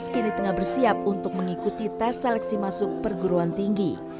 kini tengah bersiap untuk mengikuti tes seleksi masuk perguruan tinggi